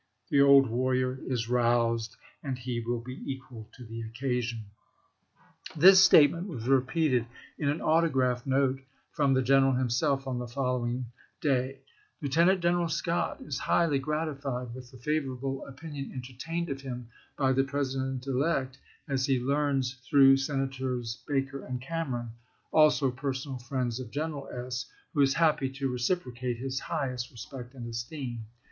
The old warrior is roused, and he will be equal to the occasion." THE PRESIDENT ELECT 251 This statement was repeated in an autograph chap.xvi. note from the general himself on the following day: "Lieutenant General Scott is highly grati fied with the favorable opinion entertained of him by the President elect as he learns through Sena tors Baker and Cameron, also personal friends of General S., who is happy to reciprocate his highest respect and esteem.